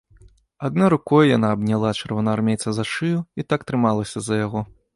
Адной рукой яна абняла чырвонаармейца за шыю і так трымалася за яго.